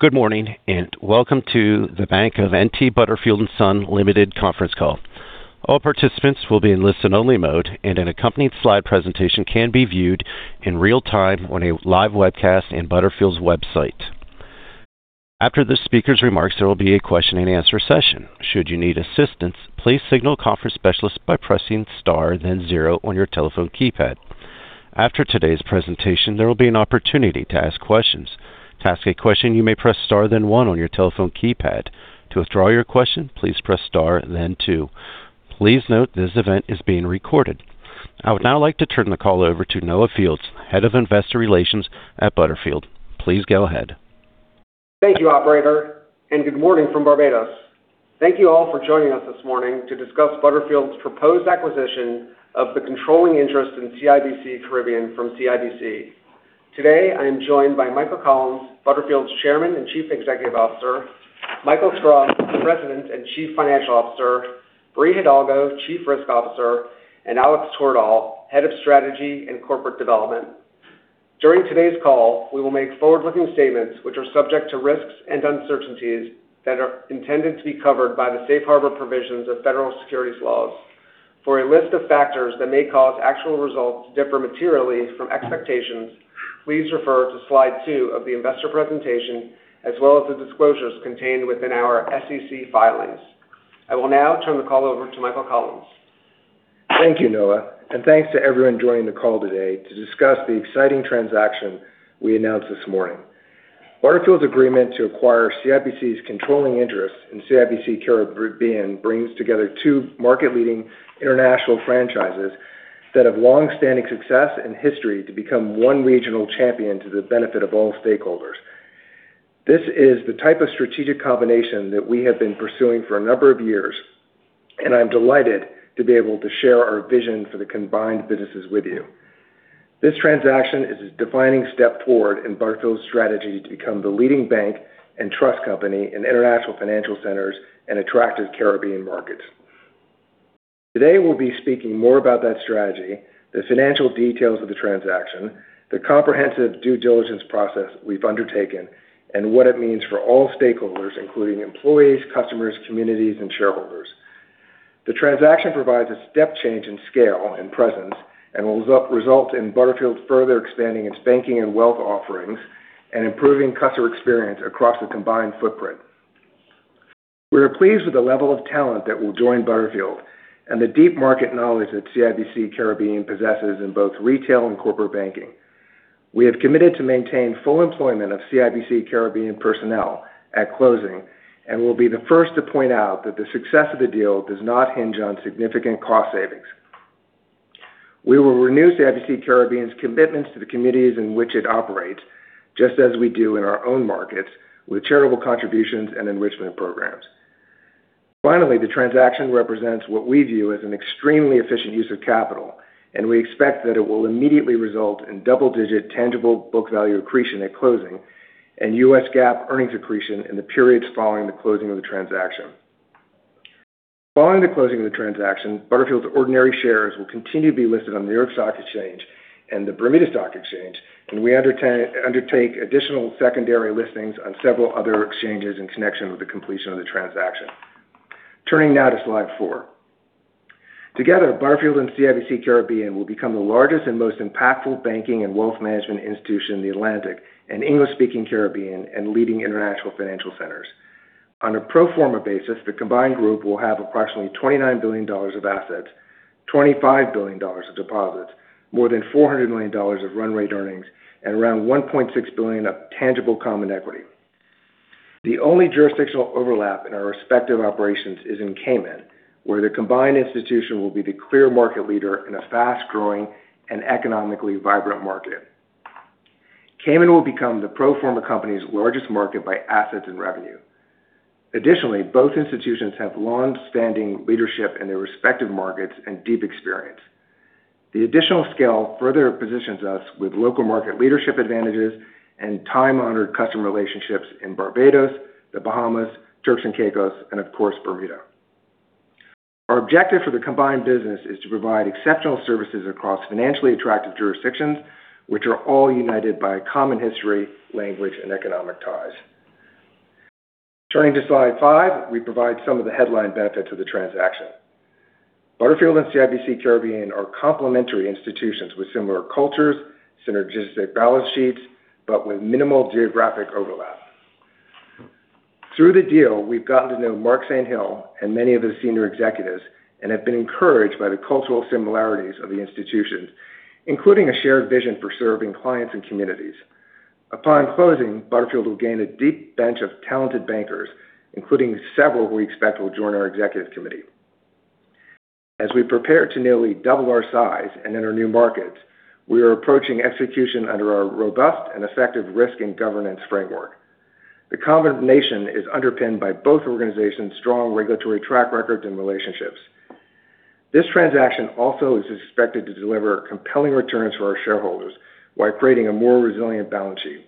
Good morning, welcome to The Bank of N.T. Butterfield & Son Limited conference call. All participants will be in listen only mode, and an accompanying slide presentation can be viewed in real time on a live webcast in Butterfield's website. After the speaker's remarks, there will be a question-and-answer session. Should you need assistance please signal conference specialist by pressing star then zero on your telephone keypad. After today's presentation, there will be an opportunity to ask questions. To ask a question you may press star then one on your telephone keypad. To withdraw your question please press star then two. Please note this event is being recorded. I would now like to turn the call over to Noah Fields, Head of investor relations at Butterfield. Please go ahead. Thank you, operator. Good morning from Barbados. Thank you all for joining us this morning to discuss Butterfield's proposed acquisition of the controlling interest in CIBC Caribbean from CIBC. Today, I am joined by Michael Collins, Butterfield's Chairman and Chief Executive Officer, Michael Schrum, President and Chief Financial Officer, Bri Hidalgo, Chief Risk Officer, and Alex Twerdahl, Head of Strategy and Corporate Development. During today's call, we will make forward-looking statements which are subject to risks and uncertainties that are intended to be covered by the Safe Harbor provisions of federal securities laws. For a list of factors that may cause actual results to differ materially from expectations, please refer to slide two of the investor presentation as well as the disclosures contained within our SEC filings. I will now turn the call over to Michael Collins. Thank you, Noah, and thanks to everyone joining the call today to discuss the exciting transaction we announced this morning. Butterfield's agreement to acquire CIBC's controlling interest in CIBC Caribbean brings together two market leading international franchises that have longstanding success and history to become one regional champion to the benefit of all stakeholders. This is the type of strategic combination that we have been pursuing for a number of years, and I'm delighted to be able to share our vision for the combined businesses with you. This transaction is a defining step forward in Butterfield's strategy to become the leading bank and trust company in international financial centers and attractive Caribbean markets. Today, we'll be speaking more about that strategy, the financial details of the transaction, the comprehensive due diligence process we've undertaken, and what it means for all stakeholders, including employees, customers, communities, and shareholders. The transaction provides a step change in scale and presence and will result in Butterfield further expanding its banking and wealth offerings and improving customer experience across the combined footprint. We are pleased with the level of talent that will join Butterfield and the deep market knowledge that CIBC Caribbean possesses in both retail and corporate banking. We have committed to maintain full employment of CIBC Caribbean personnel at closing and will be the first to point out that the success of the deal does not hinge on significant cost savings. We will renew CIBC Caribbean's commitments to the committees in which it operates, just as we do in our own markets with charitable contributions and enrichment programs. Finally, the transaction represents what we view as an extremely efficient use of capital, and we expect that it will immediately result in double-digit tangible book value accretion at closing and U.S. GAAP earnings accretion in the periods following the closing of the transaction. Following the closing of the transaction, Butterfield's ordinary shares will continue to be listed on the New York Stock Exchange and the Bermuda Stock Exchange, and we undertake additional secondary listings on several other exchanges in connection with the completion of the transaction. Turning now to slide four. Together, Butterfield and CIBC Caribbean will become the largest and most impactful banking and wealth management institution in the Atlantic and English-speaking Caribbean and leading international financial centers. On a pro forma basis, the combined group will have approximately $29 billion of assets, $25 billion of deposits, more than $400 million of run-rate earnings, and around $1.6 billion of tangible common equity. The only jurisdictional overlap in our respective operations is in Cayman, where the combined institution will be the clear market leader in a fast-growing and economically vibrant market. Cayman will become the pro forma company's largest market by assets and revenue. Additionally, both institutions have longstanding leadership in their respective markets and deep experience. The additional scale further positions us with local market leadership advantages and time-honored customer relationships in Barbados, The Bahamas, Turks and Caicos, and of course, Bermuda. Our objective for the combined business is to provide exceptional services across financially attractive jurisdictions, which are all united by a common history, language, and economic ties. Turning to slide five, we provide some of the headline benefits of the transaction. Butterfield and CIBC Caribbean are complementary institutions with similar cultures, synergistic balance sheets, but with minimal geographic overlap. Through the deal, we've gotten to know Mark St. Hill and many of his Senior Executives and have been encouraged by the cultural similarities of the institutions, including a shared vision for serving clients and communities. Upon closing, Butterfield will gain a deep bench of talented bankers, including several who we expect will join our executive committee. As we prepare to nearly double our size and enter new markets, we are approaching execution under our robust and effective risk and governance framework. The combination is underpinned by both organizations' strong regulatory track records and relationships. This transaction also is expected to deliver compelling returns for our shareholders while creating a more resilient balance sheet.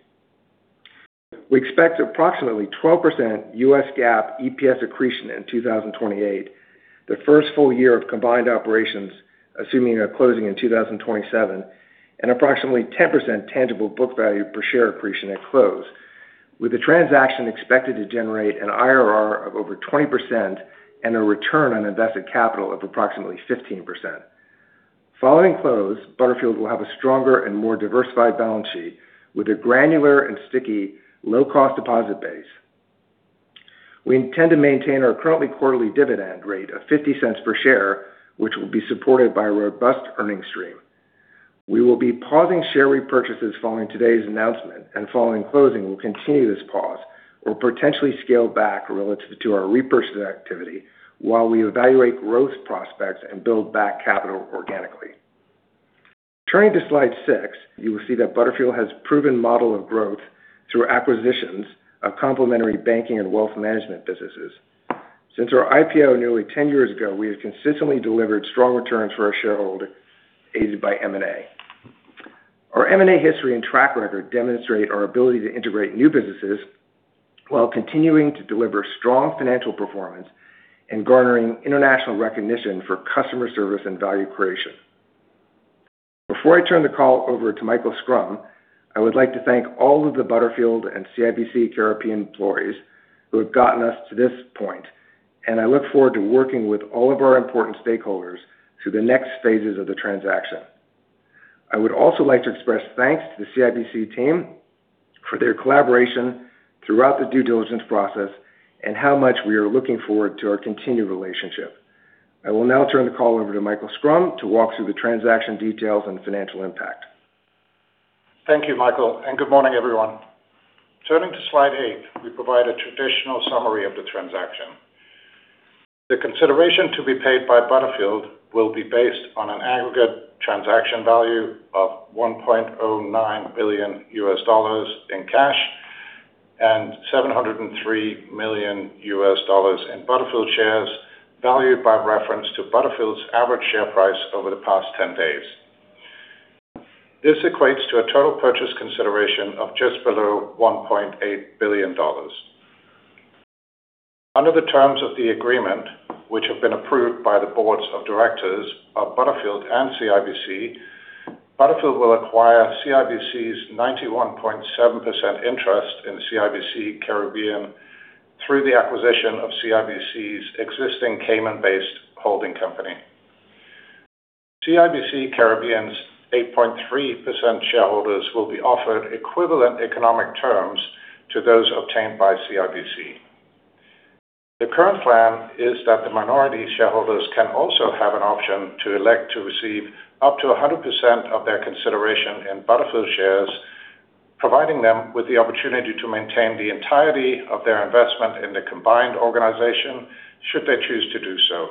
We expect approximately 12% U.S, GAAP EPS accretion in 2028, the first full year of combined operations. Assuming a closing in 2027, and approximately 10% tangible book value per share appreciation at close, with the transaction expected to generate an IRR of over 20% and a return on invested capital of approximately 15%. Following close, Butterfield will have a stronger and more diversified balance sheet with a granular and sticky low-cost deposit base. We intend to maintain our currently quarterly dividend rate of $0.50 per share, which will be supported by a robust earnings stream. We will be pausing share repurchases following today's announcement, and following closing, we'll continue this pause or potentially scale back relative to our repurchase activity while we evaluate growth prospects and build back capital organically. Turning to slide six, you will see that Butterfield has proven model of growth through acquisitions of complementary banking and wealth management businesses. Since our IPO nearly 10 years ago, we have consistently delivered strong returns for our shareholders, aided by M&A. Our M&A history and track record demonstrate our ability to integrate new businesses while continuing to deliver strong financial performance and garnering international recognition for customer service and value creation. Before I turn the call over to Michael Schrum, I would like to thank all of the Butterfield and CIBC Caribbean employees who have gotten us to this point, and I look forward to working with all of our important stakeholders through the next phases of the transaction. I would also like to express thanks to the CIBC team for their collaboration throughout the due diligence process and how much we are looking forward to our continued relationship. I will now turn the call over to Michael Schrum to walk through the transaction details and financial impact. Thank you, Michael, and good morning, everyone. Turning to slide eight, we provide a traditional summary of the transaction. The consideration to be paid by Butterfield will be based on an aggregate transaction value of $1.09 billion in cash and $703 million in Butterfield shares, valued by reference to Butterfield's average share price over the past 10 days. This equates to a total purchase consideration of just below $1.8 billion. Under the terms of the agreement, which have been approved by the Boards of Directors of Butterfield and CIBC, Butterfield will acquire CIBC's 91.7% interest in CIBC Caribbean through the acquisition of CIBC's existing Cayman-based holding company. CIBC Caribbean's 8.3% shareholders will be offered equivalent economic terms to those obtained by CIBC. The current plan is that the minority shareholders can also have an option to elect to receive up to 100% of their consideration in Butterfield shares, providing them with the opportunity to maintain the entirety of their investment in the combined organization, should they choose to do so.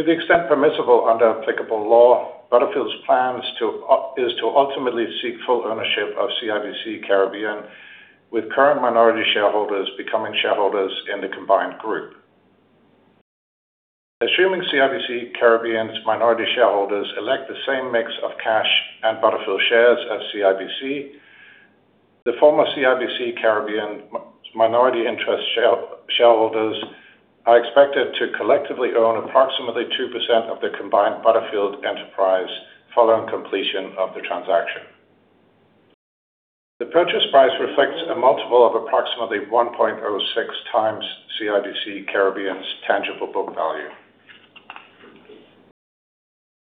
To the extent permissible under applicable law, Butterfield's plan is to ultimately seek full ownership of CIBC Caribbean, with current minority shareholders becoming shareholders in the combined group. Assuming CIBC Caribbean's minority shareholders elect the same mix of cash and Butterfield shares as CIBC, the former CIBC Caribbean minority interest shareholders are expected to collectively own approximately 2% of the combined Butterfield enterprise following completion of the transaction. The purchase price reflects a multiple of approximately 1.06x CIBC Caribbean's tangible book value.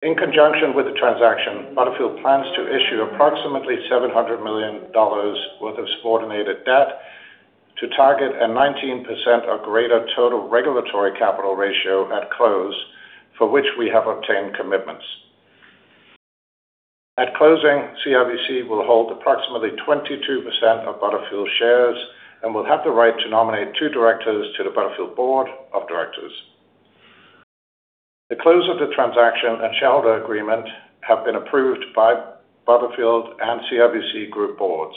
In conjunction with the transaction, Butterfield plans to issue approximately $700 million worth of subordinated debt to target a 19% or greater total regulatory capital ratio at close, for which we have obtained commitments. At closing, CIBC will hold approximately 22% of Butterfield shares and will have the right to nominate two Directors to the Butterfield Board of Directors. The close of the transaction and shareholder agreement have been approved by Butterfield and CIBC Group Boards.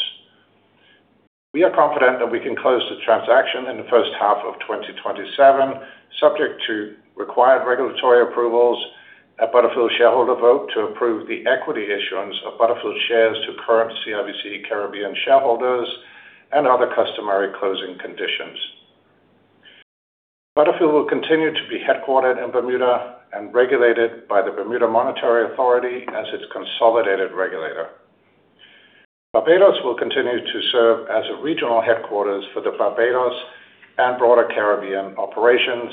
We are confident that we can close the transaction in the first half of 2027, subject to required regulatory approvals, a Butterfield shareholder vote to approve the equity issuance of Butterfield shares to current CIBC Caribbean shareholders, and other customary closing conditions. Butterfield will continue to be headquartered in Bermuda and regulated by the Bermuda Monetary Authority as its consolidated regulator. Barbados will continue to serve as a regional headquarters for the Barbados and broader Caribbean operations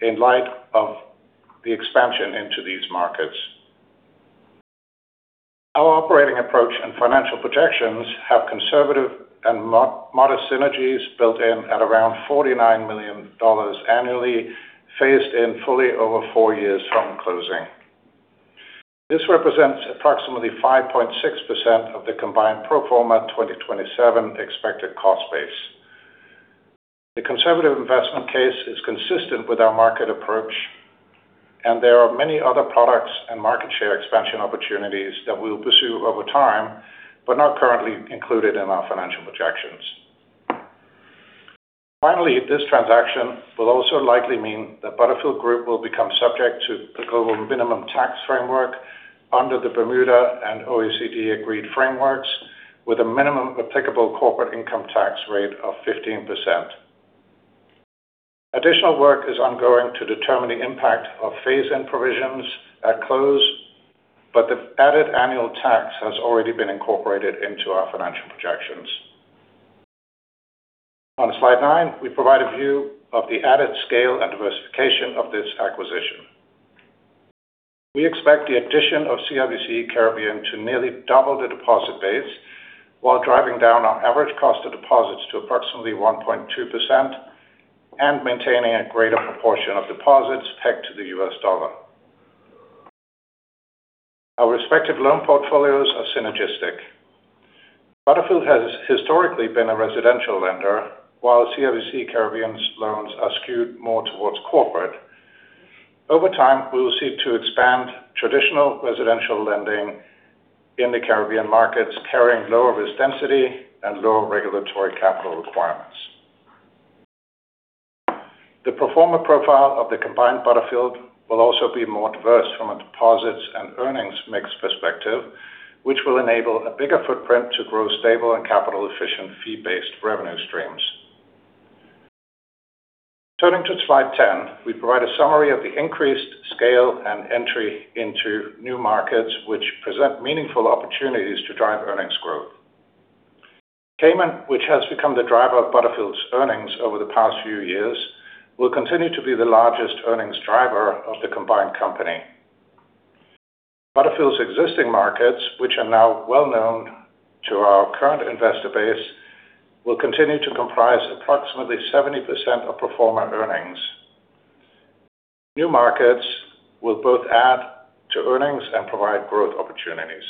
in light of the expansion into these markets. Our operating approach and financial projections have conservative and modest synergies built in at around $49 million annually, phased in fully over four years from closing. This represents approximately 5.6% of the combined pro forma 2027 expected cost base. The conservative investment case is consistent with our market approach, and there are many other products and market share expansion opportunities that we will pursue over time but not currently included in our financial projections. Finally, this transaction will also likely mean that Butterfield Group will become subject to the global minimum tax framework under the Bermuda and OECD agreed frameworks with a minimum applicable corporate income tax rate of 15%. Additional work is ongoing to determine the impact of phase-in provisions at close, but the added annual tax has already been incorporated into our financial projections. On slide nine, we provide a view of the added scale and diversification of this acquisition. We expect the addition of CIBC Caribbean to nearly double the deposit base while driving down our average cost of deposits to approximately 1.2% and maintaining a greater proportion of deposits pegged to the U.S. dollar. Our respective loan portfolios are synergistic. Butterfield has historically been a residential lender, while CIBC Caribbean's loans are skewed more towards corporate. Over time, we will seek to expand traditional residential lending in the Caribbean markets, carrying lower risk density and lower regulatory capital requirements. The pro forma profile of the combined Butterfield will also be more diverse from a deposits and earnings mix perspective, which will enable a bigger footprint to grow stable and capital-efficient fee-based revenue streams. Turning to slide 10, we provide a summary of the increased scale and entry into new markets, which present meaningful opportunities to drive earnings growth. Cayman, which has become the driver of Butterfield's earnings over the past few years, will continue to be the largest earnings driver of the combined company. Butterfield's existing markets, which are now well-known to our current investor base, will continue to comprise approximately 70% of pro forma earnings. New markets will both add to earnings and provide growth opportunities.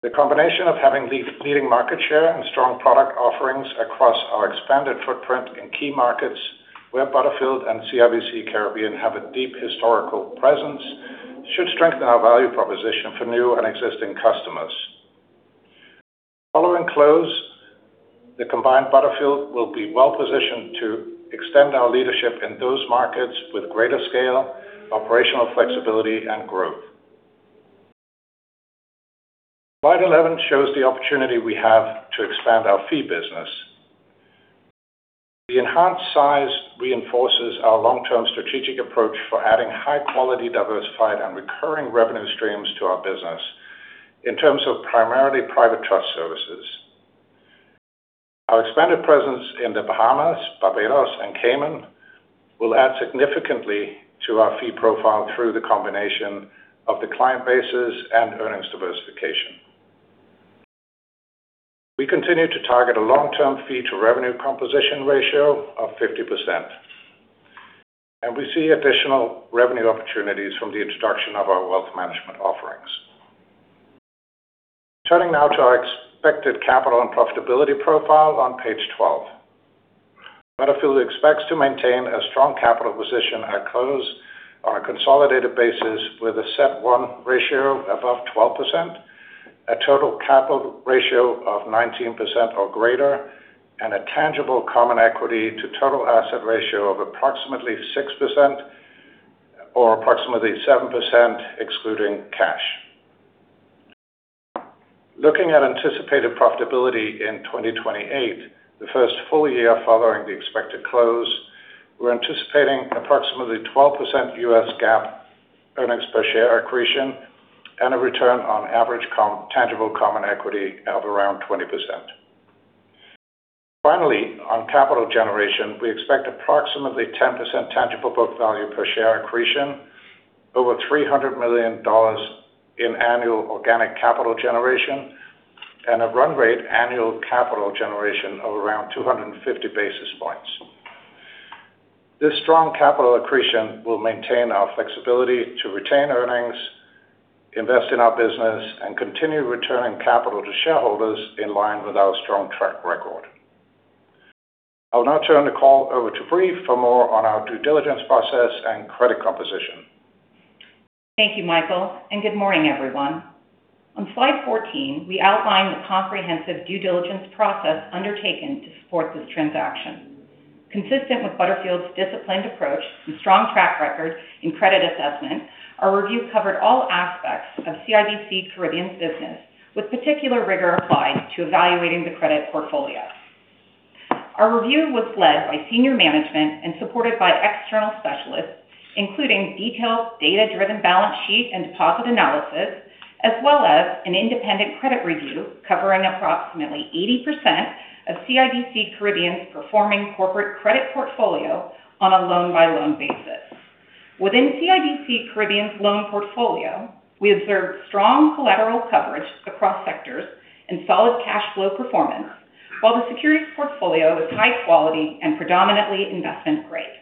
The combination of having leading market share and strong product offerings across our expanded footprint in key markets where Butterfield and CIBC Caribbean have a deep historical presence should strengthen our value proposition for new and existing customers. Following close, the combined Butterfield will be well-positioned to extend our leadership in those markets with greater scale, operational flexibility, and growth. Slide 11 shows the opportunity we have to expand our fee business. The enhanced size reinforces our long-term strategic approach for adding high-quality, diversified, and recurring revenue streams to our business in terms of primarily private trust services. Our expanded presence in the Bahamas, Barbados, and Cayman will add significantly to our fee profile through the combination of the client bases and earnings diversification. We continue to target a long-term fee-to-revenue composition ratio of 50%, and we see additional revenue opportunities from the introduction of our Wealth Management offerings. Turning now to our expected capital and profitability profile on page 12. Butterfield expects to maintain a strong capital position at close on a consolidated basis with a CET1 ratio above 12%, a total capital ratio of 19% or greater, and a tangible common equity-to-total asset ratio of approximately 6%, or approximately 7% excluding cash. Looking at anticipated profitability in 2028, the first full year following the expected close, we're anticipating approximately 12% U.S. GAAP earnings per share accretion and a return on average tangible common equity of around 20%. Finally, on capital generation, we expect approximately 10% tangible book value per share accretion, over $300 million in annual organic capital generation, and a run-rate annual capital generation of around 250 basis points. This strong capital accretion will maintain our flexibility to retain earnings, invest in our business, and continue returning capital to shareholders in line with our strong track record. I will now turn the call over to Bri for more on our due diligence process and credit composition. Thank you, Michael, and good morning, everyone. On slide 14, we outline the comprehensive due diligence process undertaken to support this transaction. Consistent with Butterfield's disciplined approach and strong track record in credit assessment, our review covered all aspects of CIBC Caribbean's business with particular rigor applied to evaluating the credit portfolio. Our review was led by senior management and supported by external specialists, including detailed data-driven balance sheet and deposit analysis, as well as an independent credit review covering approximately 80% of CIBC Caribbean's performing corporate credit portfolio on a loan-by-loan basis. Within CIBC Caribbean's loan portfolio, we observed strong collateral coverage across sectors and solid cash flow performance, while the securities portfolio is high quality and predominantly investment grade.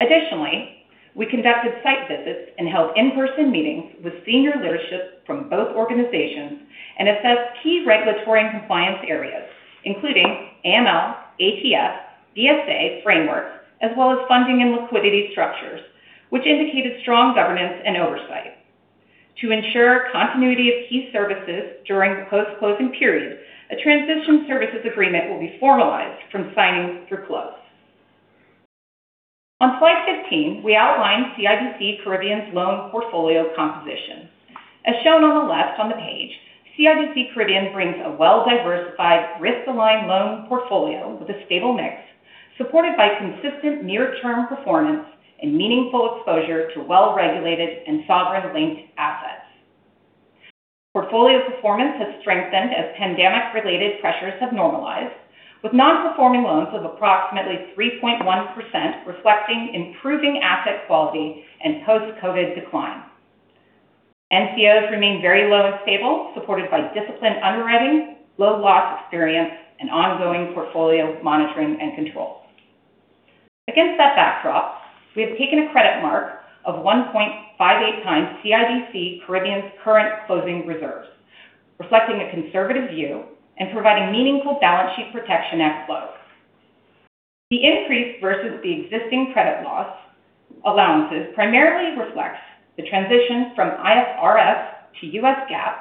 Additionally, we conducted site visits and held in-person meetings with Senior leadership from both organizations and assessed key regulatory and compliance areas, including AML, CTF, BSA frameworks, as well as funding and liquidity structures, which indicated strong governance and oversight. To ensure continuity of key services during the post-closing period, a transition services agreement will be formalized from signing through close. On page 15, we outlined CIBC Caribbean's loan portfolio composition. As shown on the left on the page, CIBC Caribbean brings a well-diversified risk-aligned loan portfolio with a stable mix, supported by consistent near-term performance and meaningful exposure to well-regulated and sovereign-linked assets. Portfolio performance has strengthened as pandemic-related pressures have normalized, with non-performing loans of approximately 3.1%, reflecting improving asset quality and post-COVID decline. NCOs remain very low and stable, supported by disciplined underwriting, low loss experience, and ongoing portfolio monitoring and control. Against that backdrop, we have taken a credit mark of 1.58x CIBC Caribbean's current closing reserves, reflecting a conservative view and providing meaningful balance sheet protection at close. The increase versus the existing credit loss allowances primarily reflects the transition from IFRS to U.S. GAAP,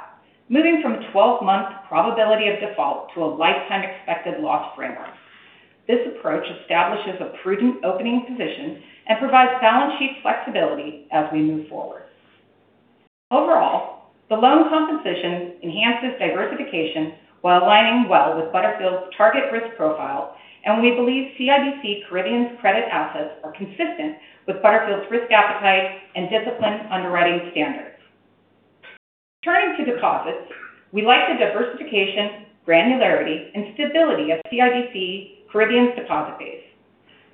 moving from a 12-month probability of default to a lifetime expected loss framework. This approach establishes a prudent opening position and provides balance sheet flexibility as we move forward. Overall, the loan composition enhances diversification while aligning well with Butterfield's target risk profile, and we believe CIBC Caribbean's credit assets are consistent with Butterfield's risk appetite and disciplined underwriting standards. Turning to deposits, we like the diversification, granularity, and stability of CIBC Caribbean's deposit base.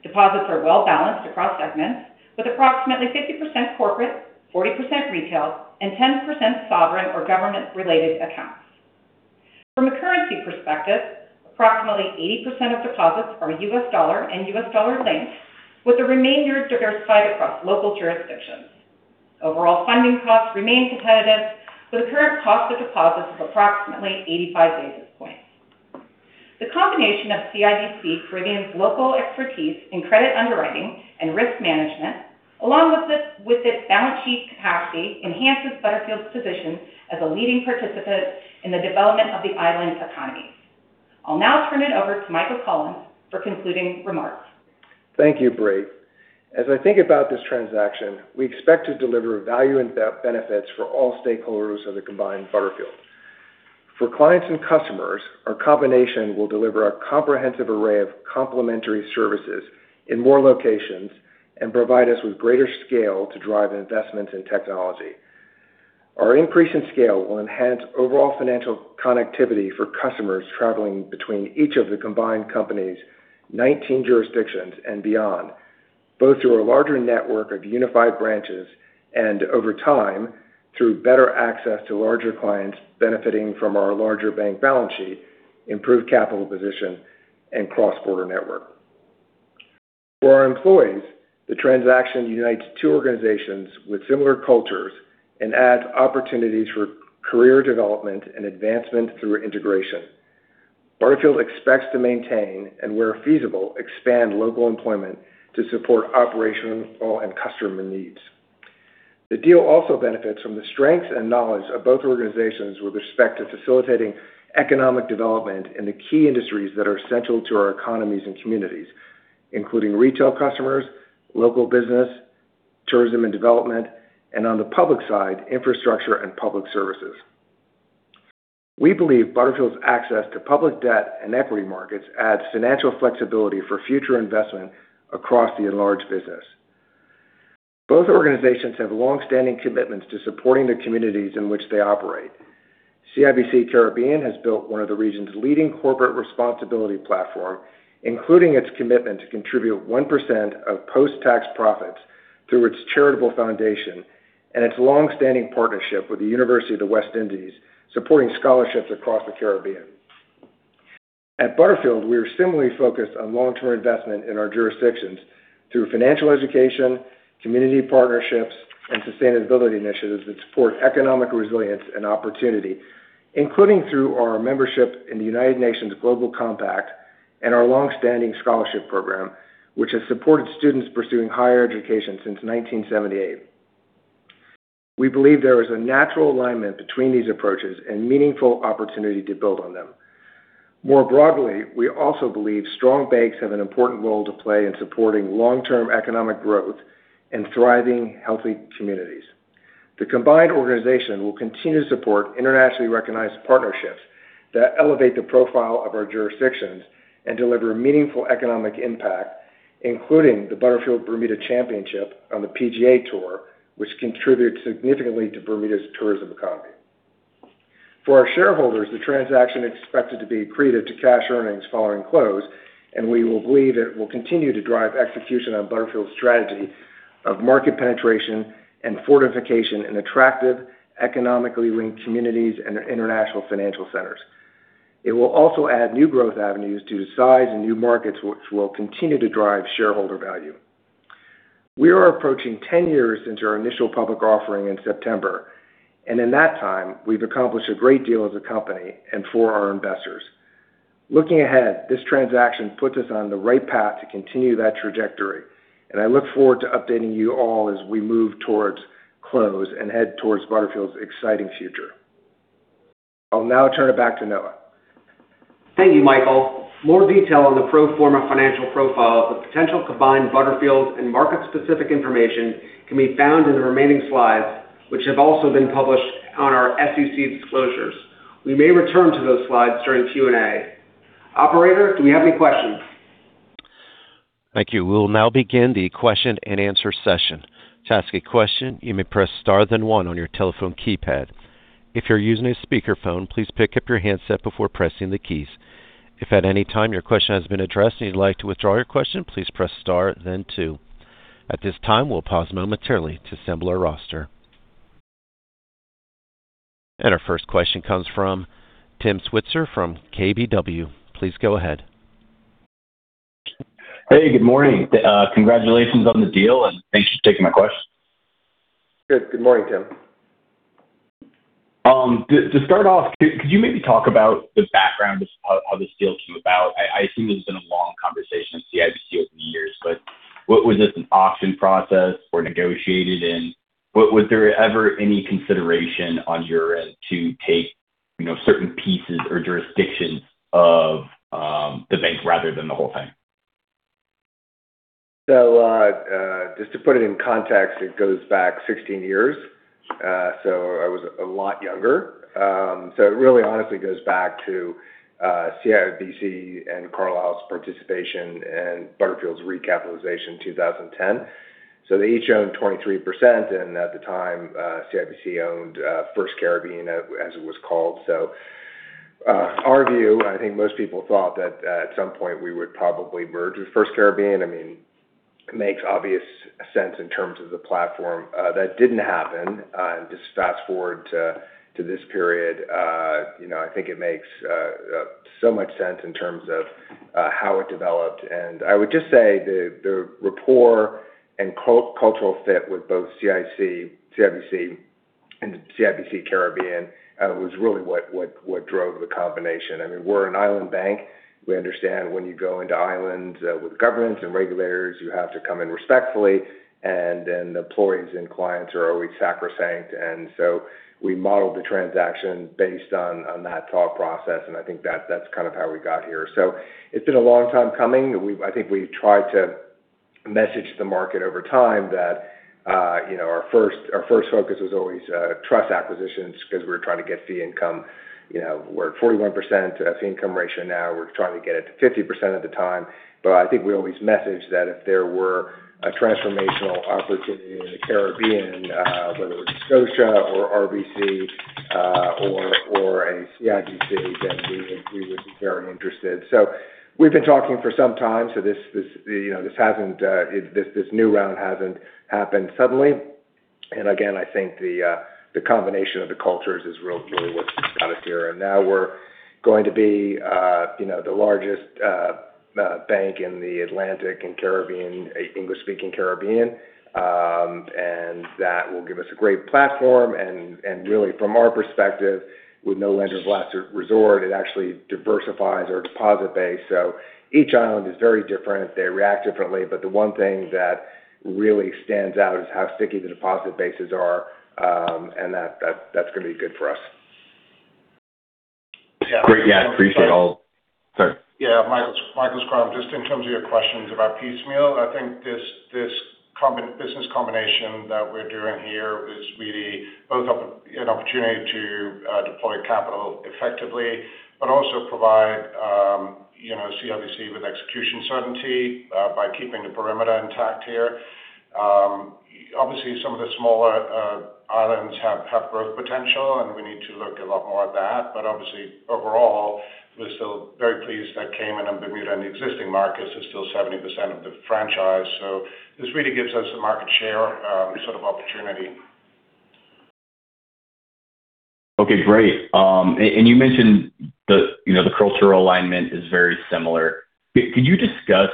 Deposits are well-balanced across segments, with approximately 50% corporate, 40% retail, and 10% sovereign or government-related accounts. From a currency perspective, approximately 80% of deposits are U.S. dollar and U.S. dollar-linked, with the remainder diversified across local jurisdictions. Overall funding costs remain competitive, with a current cost of deposits of approximately 85 basis points. The combination of CIBC Caribbean's local expertise in credit underwriting and risk management, along with its balance sheet capacity, enhances Butterfield's position as a leading participant in the development of the islands' economies. I'll now turn it over to Michael Collins for concluding remarks. Thank you, Bri. As I think about this transaction, we expect to deliver value and benefits for all stakeholders of the combined Butterfield. For clients and customers, our combination will deliver a comprehensive array of complementary services in more locations and provide us with greater scale to drive investment in technology. Our increase in scale will enhance overall financial connectivity for customers traveling between each of the combined companies' 19 jurisdictions and beyond, both through a larger network of unified branches and over time, through better access to larger clients benefiting from our larger bank balance sheet, improved capital position, and cross-border network. For our employees, the transaction unites two organizations with similar cultures and adds opportunities for career development and advancement through integration. Butterfield expects to maintain, and where feasible, expand local employment to support operational and customer needs. The deal also benefits from the strengths and knowledge of both organizations with respect to facilitating economic development in the key industries that are central to our economies and communities, including retail customers, local business, tourism and development, and on the public side, infrastructure and public services. We believe Butterfield's access to public debt and equity markets adds financial flexibility for future investment across the enlarged business. Both organizations have longstanding commitments to supporting the communities in which they operate. CIBC Caribbean has built one of the region's leading corporate responsibility platform, including its commitment to contribute 1% of post-tax profits through its charitable foundation and its longstanding partnership with the University of the West Indies, supporting scholarships across the Caribbean. At Butterfield, we are similarly focused on long-term investment in our jurisdictions through financial education, community partnerships, and sustainability initiatives that support economic resilience and opportunity, including through our membership in the United Nations Global Compact and our longstanding scholarship program, which has supported students pursuing higher education since 1978. We believe there is a natural alignment between these approaches and meaningful opportunity to build on them. More broadly, we also believe strong banks have an important role to play in supporting long-term economic growth and thriving, healthy communities. The combined organization will continue to support internationally recognized partnerships that elevate the profile of our jurisdictions and deliver meaningful economic impact, including the Butterfield Bermuda Championship on the PGA Tour, which contributes significantly to Bermuda's tourism economy. For our shareholders, the transaction is expected to be accretive to cash earnings following close, and we believe it will continue to drive execution on Butterfield's strategy of market penetration and fortification in attractive, economically linked communities and international financial centers. It will also add new growth avenues to size and new markets, which will continue to drive shareholder value. We are approaching 10 years since our initial public offering in September, and in that time, we've accomplished a great deal as a company and for our investors. Looking ahead, this transaction puts us on the right path to continue that trajectory, and I look forward to updating you all as we move towards close and head towards Butterfield's exciting future. I'll now turn it back to Noah. Thank you, Michael. More detail on the pro forma financial profile of the potential combined Butterfield and market-specific information can be found in the remaining slides, which have also been published on our SEC disclosures. We may return to those slides during Q&A. Operator, do we have any questions? Thank you. We will now begin the question-and-answer session. To ask a question you may press star then one on your telephone keypad. If you are using a speakerphone please pick up your handset before pressing the keys. If at anytime your question has been addressed and you would like to withdraw your question please press star then two. At this time we will pause momentarily to assemble our roster. Our first question comes from Tim Switzer from KBW. Please go ahead. Hey, good morning. Congratulations on the deal. Thanks for taking my question. Good morning, Tim. To start off, could you maybe talk about the background of how this deal came about? I assume this has been a long conversation at CIBC over the years, what was this, an auction process or negotiated in? Was there ever any consideration on your end to take certain pieces or jurisdictions of the bank rather than the whole thing? Just to put it in context, it goes back 16 years. I was a lot younger. It really honestly goes back to CIBC and Carlyle's participation in Butterfield's recapitalization in 2010. They each owned 23%, and at the time CIBC owned FirstCaribbean, as it was called. Our view, I think most people thought that at some point we would probably merge with FirstCaribbean. It makes obvious sense in terms of the platform. That didn't happen. Just fast-forward to this period. I think it makes so much sense in terms of how it developed. I would just say the rapport and cultural fit with both CIBC and CIBC Caribbean was really what drove the combination. We're an island bank. We understand when you go into islands with governments and regulators, you have to come in respectfully, and then employees and clients are always sacrosanct. We modeled the transaction based on that thought process, and I think that's kind of how we got here. It's been a long time coming. I think we've tried to message the market over time that our first focus was always trust acquisitions because we were trying to get fee income. We're at 41% fee income ratio now. We're trying to get it to 50% of the time. I think we always messaged that if there were a transformational opportunity in the Caribbean, whether it was Scotia or RBC or a CIBC, then we would be very interested. We've been talking for some time. This new round hasn't happened suddenly. Again, I think the combination of the cultures is really what got us here. Now we're going to be the largest bank in the Atlantic and English-speaking Caribbean. That will give us a great platform. Really from our perspective, with no lender of last resort, it actually diversifies our deposit base. Each island is very different. They react differently. The one thing that really stands out is how sticky the deposit bases are, and that's going to be good for us. Great. Yeah. Appreciate. Sorry. Michael Schrum, just in terms of your questions about piecemeal, I think this business combination that we're doing here is really both an opportunity to deploy capital effectively, but also provide CIBC with execution certainty by keeping the perimeter intact here. Obviously, some of the smaller islands have growth potential, and we need to look a lot more at that. Obviously, overall, we're still very pleased that Cayman and Bermuda and the existing markets are still 70% of the franchise. This really gives us a market share sort of opportunity. Okay, great. You mentioned the cultural alignment is very similar. Could you discuss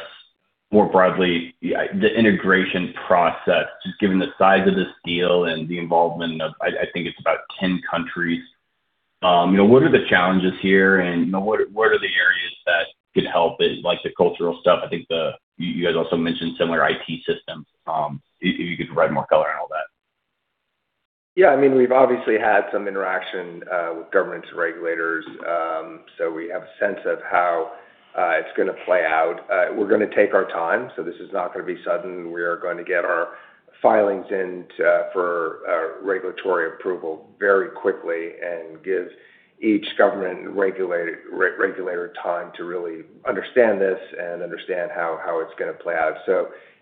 more broadly the integration process, just given the size of this deal and the involvement of, I think it's about 10 countries? What are the challenges here, and what are the areas that could help it, like the cultural stuff? I think you guys also mentioned similar IT systems. If you could provide more color on all that. Yeah. We've obviously had some interaction with governments and regulators. We have a sense of how it's going to play out. We're going to take our time, so this is not going to be sudden. We are going to get our filings in for regulatory approval very quickly and give each government regulator time to really understand this and understand how it's going to play out.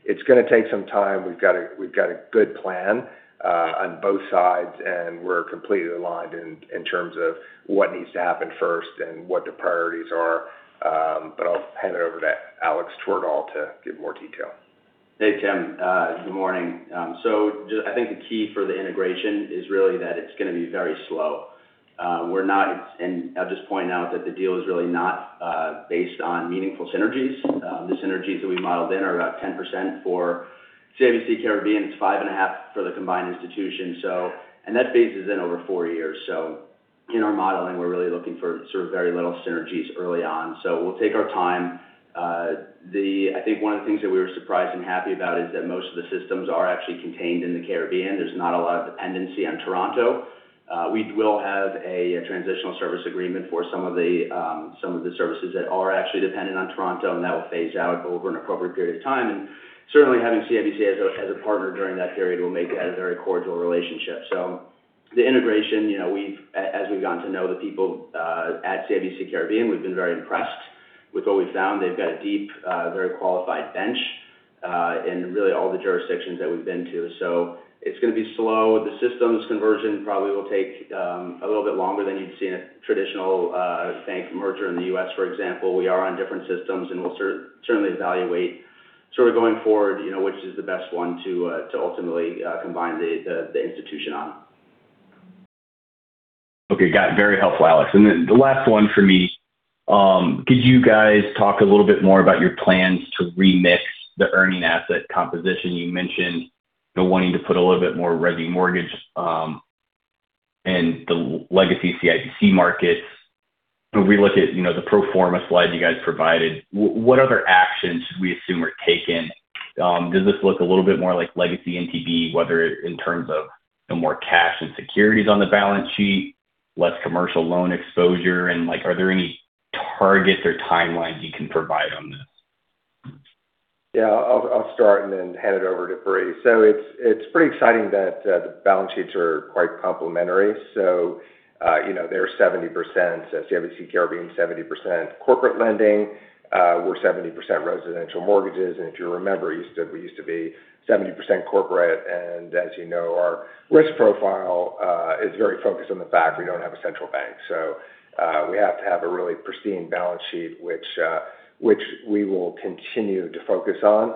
It's going to take some time. We've got a good plan on both sides, and we're completely aligned in terms of what needs to happen first and what the priorities are. I'll hand it over to Alex Twerdahl to give more detail. Hey, Tim. Good morning. I think the key for the integration is really that it is going to be very slow. I will just point out that the deal is really not based on meaningful synergies. The synergies that we modeled in are about 10% for CIBC Caribbean. It is 5.5% for the combined institution. That phases in over four years. In our modeling, we are really looking for sort of very little synergies early on. We will take our time. I think one of the things that we were surprised and happy about is that most of the systems are actually contained in the Caribbean. There is not a lot of dependency on Toronto. We will have a transitional service agreement for some of the services that are actually dependent on Toronto, and that will phase out over an appropriate period of time. Certainly, having CIBC as a partner during that period will make it a very cordial relationship. The integration, as we've gotten to know the people at CIBC Caribbean, we've been very impressed with what we've found. They've got a deep, very qualified bench in really all the jurisdictions that we've been to. It's going to be slow. The systems conversion probably will take a little bit longer than you'd see in a traditional bank merger in the U.S., for example. We are on different systems, and we'll certainly evaluate going forward which is the best one to ultimately combine the institution on. Okay. Got it. Very helpful, Alex. The last one for me, could you guys talk a little bit more about your plans to remix the earning asset composition? You mentioned wanting to put a little bit more resi mortgage in the legacy CIBC markets. When we look at the pro forma slide you guys provided, what other actions should we assume are taken? Does this look a little bit more like legacy NTB, whether in terms of more cash and securities on the balance sheet, less commercial loan exposure, are there any targets or timelines you can provide on this? Yeah. I'll start and then hand it over to Bri. It's pretty exciting that the balance sheets are quite complementary. CIBC Caribbean is 70% corporate lending. We're 70% residential mortgages. If you remember, we used to be 70% corporate. As you know, our risk profile is very focused on the fact we don't have a central bank. We have to have a really pristine balance sheet, which we will continue to focus on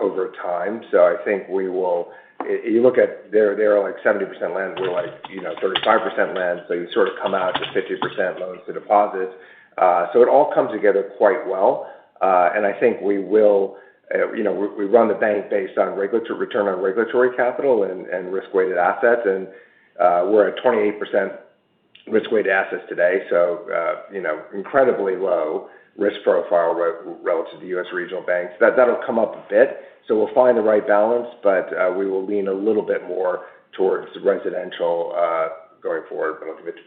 over time. I think you look at they're like 70% lend. We're like 35% lend. You sort of come out to 50% loans to deposits. It all comes together quite well. I think we run the bank based on return on regulatory capital and risk-weighted assets, and we're at 28% risk-weighted assets today, so incredibly low risk profile relative to U.S. regional banks. That'll come up a bit. We'll find the right balance, but we will lean a little bit more towards residential going forward. I'll give it to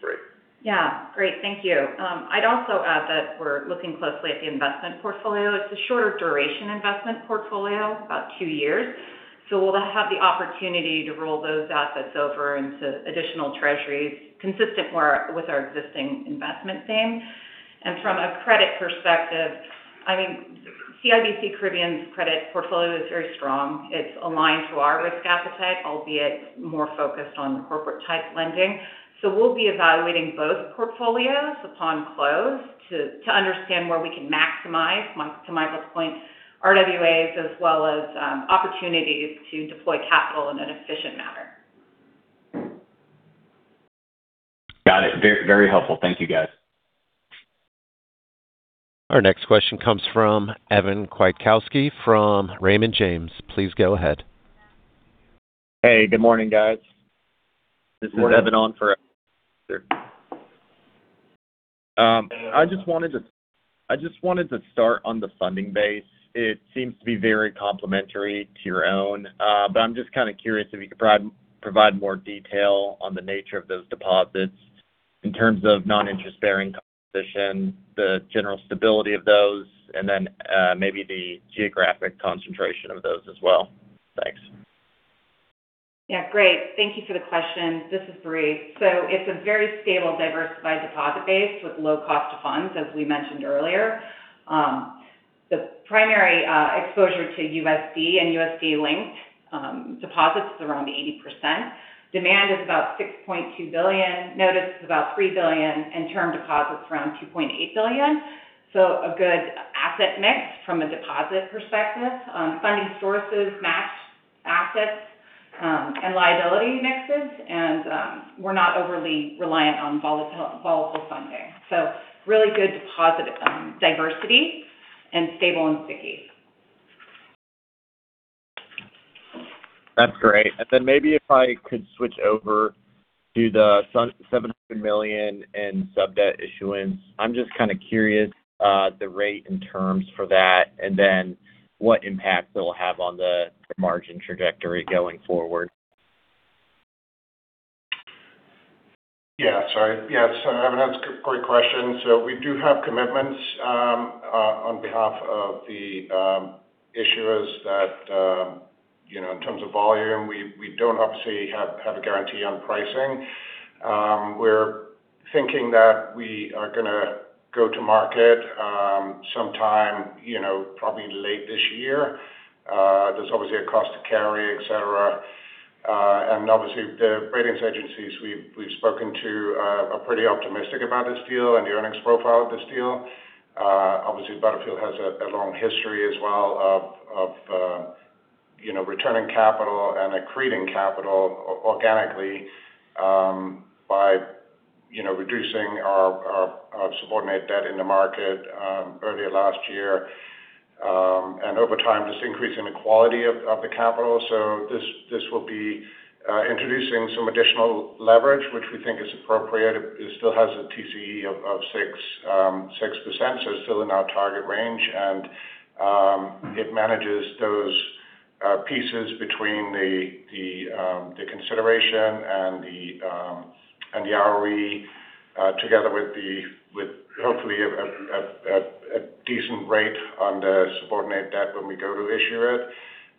Bri. Great. Thank you. I'd also add that we're looking closely at the investment portfolio. It's a shorter duration investment portfolio, about two years. We'll have the opportunity to roll those assets over into additional treasuries consistent with our existing investment theme. From a credit perspective, CIBC Caribbean's credit portfolio is very strong. It's aligned to our risk appetite, albeit more focused on corporate type lending. We'll be evaluating both portfolios upon close to understand where we can maximize, to Michael's point, RWAs as well as opportunities to deploy capital in an efficient manner. Got it. Very helpful. Thank you, guys. Our next question comes from Evan Kwiatkowski from Raymond James. Please go ahead. Hey. Good morning, guys. Good morning. This is Evan on for I just wanted to start on the funding base. It seems to be very complementary to your own. But I'm just curious if you could provide more detail on the nature of those deposits in terms of non-interest-bearing composition, the general stability of those, and then maybe the geographic concentration of those as well. Thanks. Great. Thank you for the question. This is Bri. It's a very stable, diversified deposit base with low cost of funds, as we mentioned earlier. The primary exposure to USD and USD-linked deposits is around 80%. Demand is about $6.2 billion, notice is about $3 billion, and term deposits around $2.8 billion. A good asset mix from a deposit perspective. Funding sources match assets and liability mixes. We're not overly reliant on volatile funding. Really good deposit diversity and stable and sticky. That's great. Then maybe if I could switch over to the $700 million in sub-debt issuance. I'm just curious the rate and terms for that and then what impact it'll have on the margin trajectory going forward. Yeah. Sorry. Yes, Evan. That's a great question. We do have commitments on behalf of the issuers that in terms of volume, we don't obviously have a guarantee on pricing. We're thinking that we are going to go to market sometime probably late this year. There's obviously a cost to carry, et cetera. Obviously the ratings agencies we've spoken to are pretty optimistic about this deal and the earnings profile of this deal. Obviously, Butterfield has a long history as well of returning capital and accreting capital organically by reducing our subordinate debt in the market earlier last year and over time, just increasing the quality of the capital. This will be introducing some additional leverage, which we think is appropriate. It still has a TCE of 6%, so it's still in our target range. And it manages those pieces between the consideration and the ROE together with hopefully a decent rate on the subordinate debt when we go to issue it.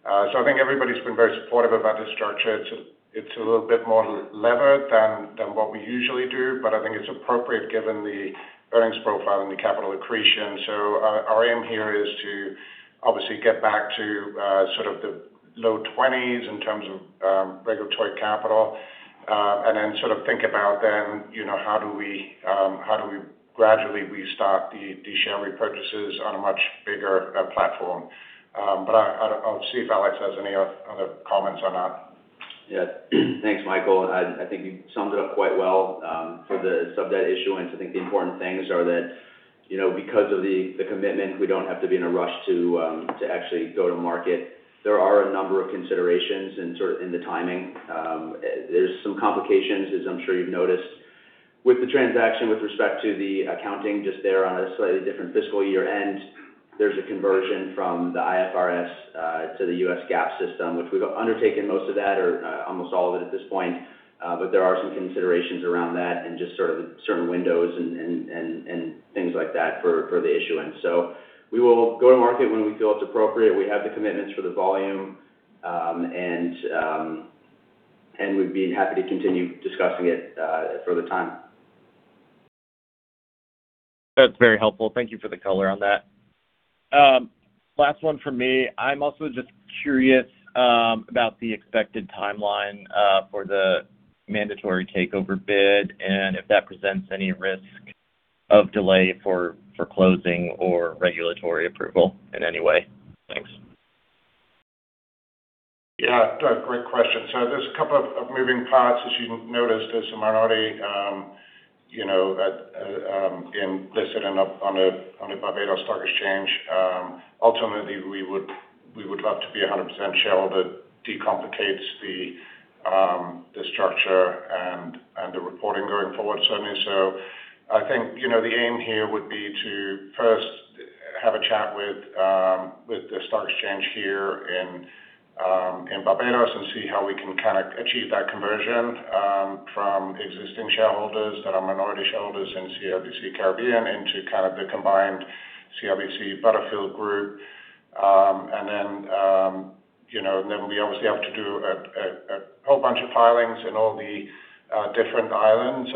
I think everybody's been very supportive about this structure. It's a little bit more levered than what we usually do, but I think it's appropriate given the earnings profile and the capital accretion. Our aim here is to obviously get back to sort of the low 20s in terms of regulatory capital, and then sort of think about then, how do we gradually restart the share repurchases on a much bigger platform? I'll see if Alex has any other comments on that. Yeah. Thanks, Michael. I think you summed it up quite well. For the sub-debt issuance, I think the important things are that because of the commitment, we don't have to be in a rush to actually go to market. There are a number of considerations in the timing. There's some complications, as I'm sure you've noticed, with the transaction with respect to the accounting just there on a slightly different fiscal year-end. There's a conversion from the IFRS to the U.S. GAAP system, which we've undertaken most of that or almost all of it at this point. There are some considerations around that and just sort of certain windows and things like that for the issuance. We will go to market when we feel it's appropriate. We have the commitments for the volume, and we'd be happy to continue discussing it for the time. That's very helpful. Thank you for the color on that. Last one from me. I'm also just curious about the expected timeline for the mandatory takeover bid and if that presents any risk of delay for closing or regulatory approval in any way. Thanks. Yeah. Great question. There's a couple of moving parts, as you noticed, as a minority that listed on a Barbados Stock Exchange. Ultimately, we would love to be 100% share, but decomplicates the structure and the reporting going forward, certainly. I think the aim here would be to first have a chat with the stock exchange here in Barbados and see how we can kind of achieve that conversion from existing shareholders that are minority shareholders in CIBC Caribbean into kind of the combined CIBC Butterfield group. We obviously have to do a whole bunch of filings in all the different islands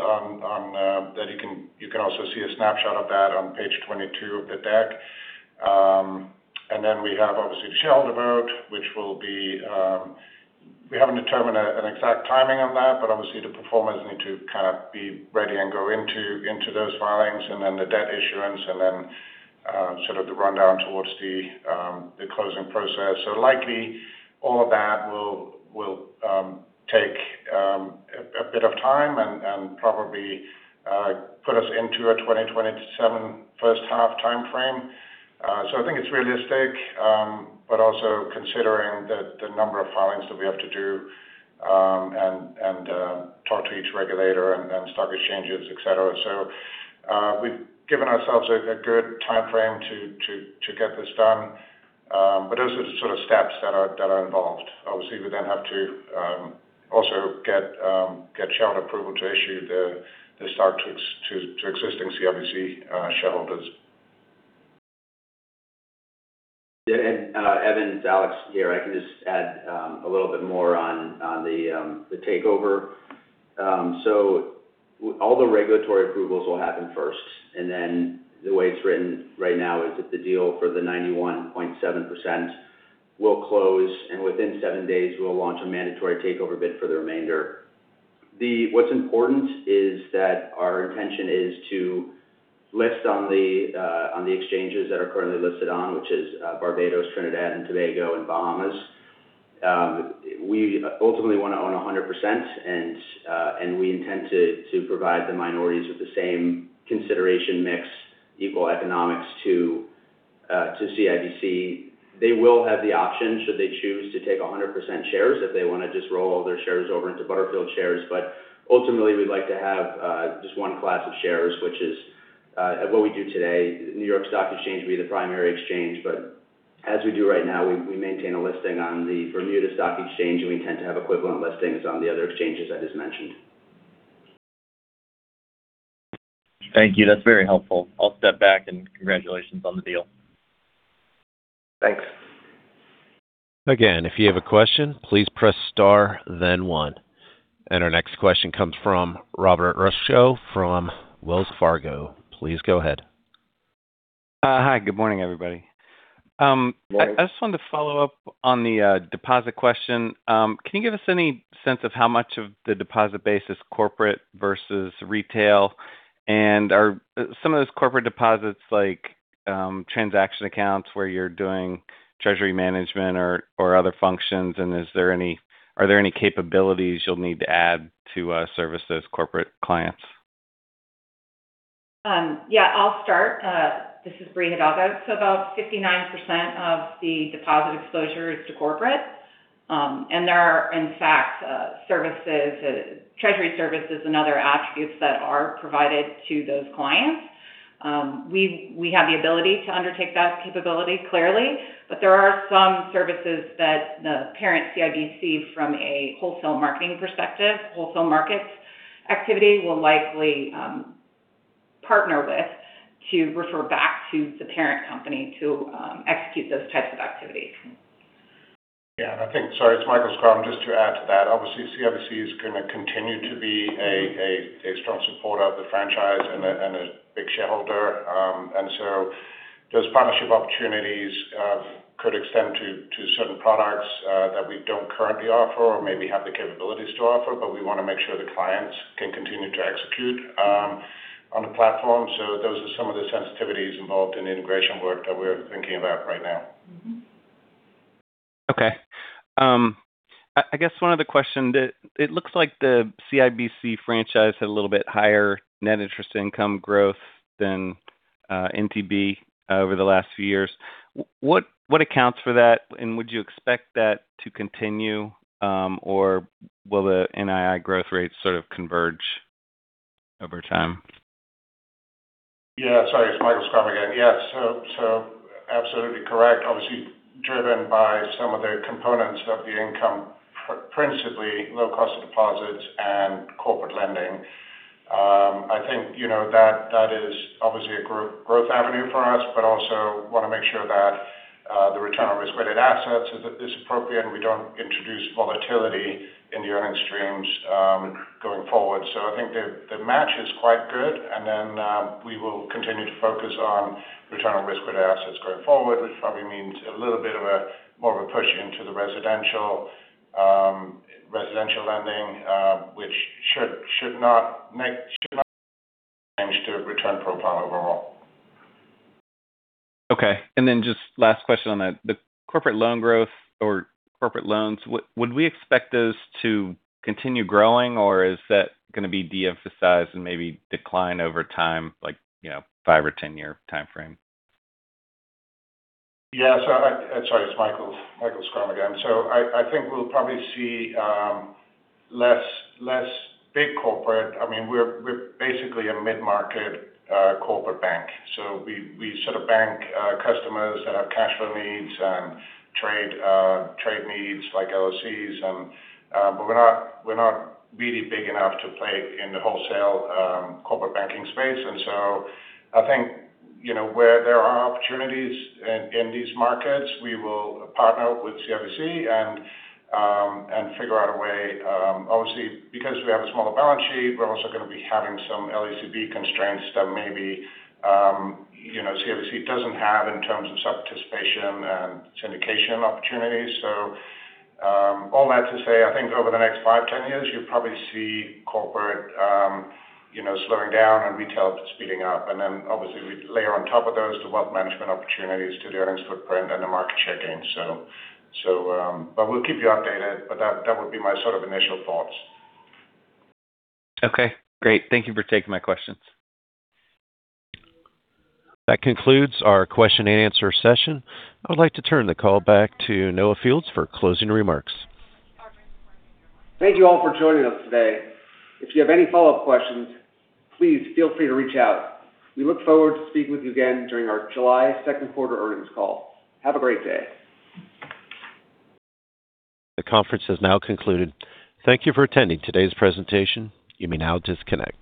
that you can also see a snapshot of that on page 22 of the deck. We have obviously the shareholder vote. We haven't determined an exact timing on that, but obviously the pro formas need to kind of be ready and go into those filings, and then the debt issuance, and then sort of the rundown towards the closing process. Likely all of that will take a bit of time and probably put us into a 2027 first half timeframe. I think it's realistic, but also considering the number of filings that we have to do, and talk to each regulator, and stock exchanges, et cetera. We've given ourselves a good timeframe to get this done. Those are the sort of steps that are involved. We then have to also get shareholder approval to issue the stock to existing CIBC shareholders. Yeah. Evan, it's Alex here. I can just add a little bit more on the takeover. All the regulatory approvals will happen first. The way it's written right now is that the deal for the 91.7% will close. Within seven days, we'll launch a mandatory takeover bid for the remainder. What's important is that our intention is to list on the exchanges that are currently listed on, which is Barbados, Trinidad and Tobago, and Bahamas. We ultimately want to own 100%. We intend to provide the minorities with the same consideration mix equal economics to CIBC. They will have the option should they choose to take 100% shares if they want to just roll all their shares over into Butterfield shares. Ultimately, we'd like to have just one class of shares, which is what we do today. New York Stock Exchange will be the primary exchange. As we do right now, we maintain a listing on the Bermuda Stock Exchange, and we intend to have equivalent listings on the other exchanges I just mentioned. Thank you. That's very helpful. I'll step back, and congratulations on the deal. Thanks. Again, if you have a question, please press star then one. Our next question comes from Robert Rutschow from Wells Fargo. Please go ahead. Hi. Good morning, everybody. Morning. I just wanted to follow up on the deposit question. Can you give us any sense of how much of the deposit base is corporate versus retail? Are some of those corporate deposits like transaction accounts where you're doing treasury management or other functions? Are there any capabilities you'll need to add to service those corporate clients? Yeah, I'll start. This is Bri Hidalgo. About 59% of the deposit exposure is to corporate. There are, in fact, treasury services and other attributes that are provided to those clients. We have the ability to undertake that capability, clearly, but there are some services that the parent CIBC, from a wholesale marketing perspective, wholesale markets activity, will likely partner with to refer back to the parent company to execute those types of activities. It's Michael Schrum. Just to add to that, obviously CIBC is going to continue to be a strong supporter of the franchise and a big shareholder. Those partnership opportunities could extend to certain products that we don't currently offer or maybe have the capabilities to offer, but we want to make sure the clients can continue to execute on the platform. Those are some of the sensitivities involved in the integration work that we're thinking about right now. Okay. I guess one other question, it looks like the CIBC franchise had a little bit higher net interest income growth than NTB over the last few years. What accounts for that, and would you expect that to continue? Will the NII growth rates sort of converge over time? Yeah. Sorry, it's Michael Schrum again. Absolutely correct. Obviously driven by some of the components of the income, principally low cost of deposits and corporate lending. I think that is obviously a growth avenue for us, but also want to make sure that the return on risk-weighted assets is appropriate and we don't introduce volatility in the earnings streams going forward. I think the match is quite good, and then we will continue to focus on return on risk-weighted assets going forward, which probably means a little bit more of a push into the residential lending, which should not change the return profile overall. Okay. Just last question on that, the corporate loan growth or corporate loans, would we expect those to continue growing, or is that going to be de-emphasized and maybe decline over time, like five or 10-year timeframe? Yeah. Sorry, it's Michael Schrum again. I think we'll probably see less big corporate. We're basically a mid-market corporate bank, so we sort of bank customers that have cash flow needs and trade needs like LLCs, but we're not really big enough to play in the wholesale corporate banking space. I think where there are opportunities in these markets, we will partner with CIBC and figure out a way. Obviously, because we have a smaller balance sheet, we're also going to be having some LAC constraints that maybe CIBC doesn't have in terms of participation and syndication opportunities. All that to say, I think over the next five, 10 years, you'll probably see corporate slowing down and retail speeding up. Obviously we layer on top of those the wealth management opportunities to the earnings footprint and the market share gains. We'll keep you updated. That would be my sort of initial thoughts. Okay, great. Thank you for taking my questions. That concludes our question-and-answer session. I would like to turn the call back to Noah Fields for closing remarks. Thank you all for joining us today. If you have any follow-up questions, please feel free to reach out. We look forward to speaking with you again during our July second quarter earnings call. Have a great day. The conference has now concluded. Thank you for attending today's presentation. You may now disconnect.